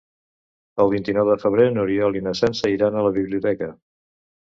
El vint-i-nou de febrer n'Oriol i na Sança iran a la biblioteca.